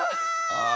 ああ！